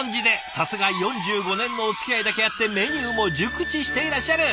さすが４５年のおつきあいだけあってメニューも熟知していらっしゃる。